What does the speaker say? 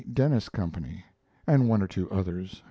Dennis company, and one or two others.